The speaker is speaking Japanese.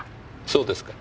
そうですか。